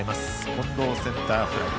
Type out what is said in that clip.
近藤、センターフライ。